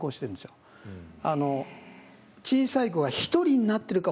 小さい子が１人になってるか